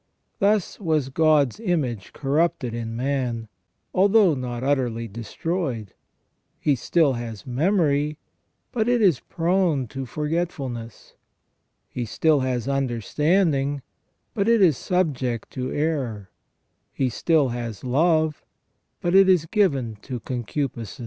Thus was God's image corrupted in man, although not utterly destroyed : he still has memory, but it is prone to forgetfulness ; he still has understanding, but it is subject to error ; he still has love, but it is given to concupiscence."